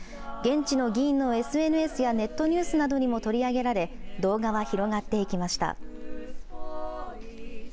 現地の議員のＳＮＳやネットニュースなどにも取り上げられ動画は広がっていきました。